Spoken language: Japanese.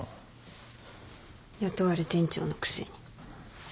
雇われ店長のくせに。